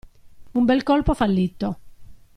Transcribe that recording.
Un bel colpo fallito.